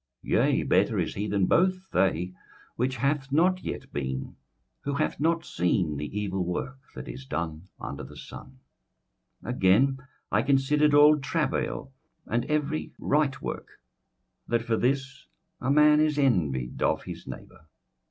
21:004:003 Yea, better is he than both they, which hath not yet been, who hath not seen the evil work that is done under the sun. 21:004:004 Again, I considered all travail, and every right work, that for this a man is envied of his neighbour.